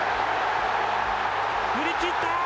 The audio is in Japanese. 振り切った。